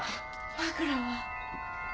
枕は？